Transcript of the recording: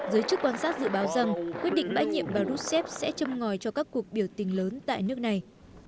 giới chức quan sát dự báo rằng quyết định bãi nhiệm bà ruscep sẽ châm ngòi cho các cuộc biểu tình lớn tại nước này